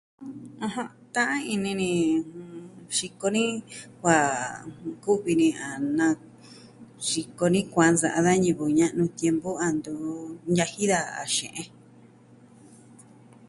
Ajan, ta'an ini ni xiko ni kua kuvi ni a naxiko kua nsa'a da ñivɨ ña'nu tiempu a ntu ñaji daja a xe'en.